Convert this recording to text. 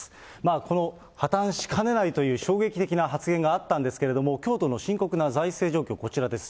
この破綻しかねないという衝撃的な発言があったんですけれども、京都の深刻な財政状況、こちらです。